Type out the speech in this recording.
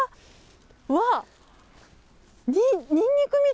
うわっ。